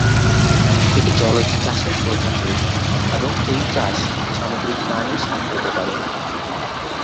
এটি জলজ চাষের প্রধান রূপ এবং এই চাষ সামুদ্রিক প্রাণীর সাথে হতে পারে।